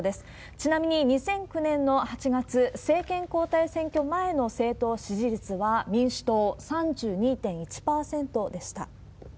ちなみに２００９年の８月、政権交代選挙前の政党支持率は、民主党３２．１％でした。